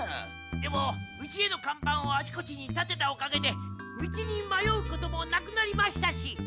でもうちへの看板をあちこちに立てたおかげで道にまようこともなくなりましたし。